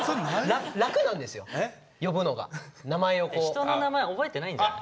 人の名前覚えてないんじゃない？